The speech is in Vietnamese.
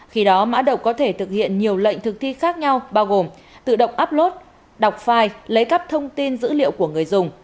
khi đó mã độc có thể thực hiện nhiều lệnh thực thi khác nhau bao gồm tự động uplot đọc file lấy cắp thông tin dữ liệu của người dùng